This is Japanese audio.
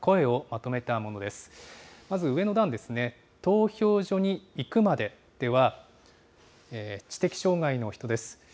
まず上の段ですね、投票所に行くまででは、知的障害の人です。